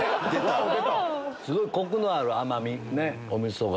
すごいコクのある甘みお味噌が。